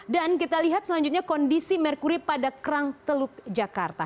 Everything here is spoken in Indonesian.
dan kita lihat selanjutnya kondisi merkuri pada kerang teluk jakarta